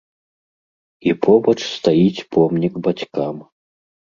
І побач стаіць помнік бацькам.